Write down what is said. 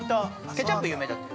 ケチャップ有名だって。